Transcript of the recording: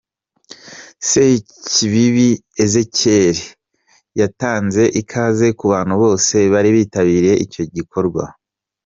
Sekibibi Ezechiel, yatanze ikaze ku bantu bose bari bitabiriye icyo gikorwa.